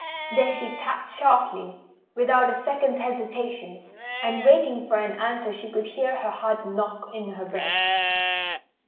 There she tapped sharply, without a second's hesitation, and waiting for an answer she could hear her heart knock in her breast.